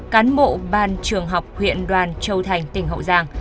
cán bộ ban trường học huyện đoàn châu thành tỉnh hậu giang